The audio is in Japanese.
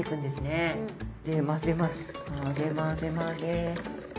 混ぜ混ぜ混ぜ。